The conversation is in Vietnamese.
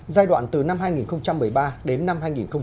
giai đoạn từ năm hai nghìn một mươi ba đến năm hai nghìn hai mươi